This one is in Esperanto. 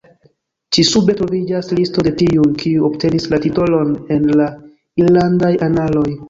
Ĉi-sube troviĝas listo de tiuj, kiuj obtenis la titolon en la irlandaj analoj.